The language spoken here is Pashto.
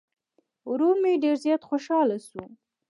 ورور مې ډير زيات خوشحاله شو